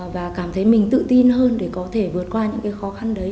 và cảm thấy mình tự tin hơn để có thể vượt qua những cái khó khăn đấy